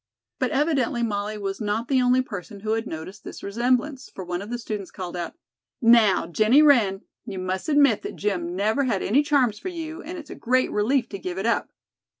But evidently Molly was not the only person who had noticed this resemblance, for one of the students called out: "Now, Jennie Wren, you must admit that gym never had any charms for you and it's a great relief to give it up."